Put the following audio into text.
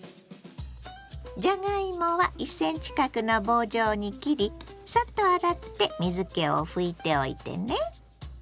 じゃがいもは１ｃｍ角の棒状に切りサッと洗って水けを拭いておいてね。